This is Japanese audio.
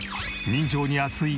人情に厚い？